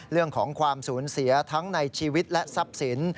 เรื่องของความสูญเสียทั้งในชีวิตและทรัพย์สิน